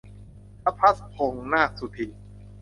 รภัสพงษ์ นาคสุทิน